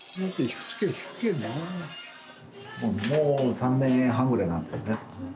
もう３年半ぐらいになるんですね。